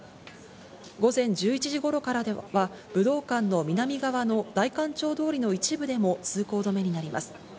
午前１１時頃からは武道館の南側の代官町通りの一部でも通行止めになります。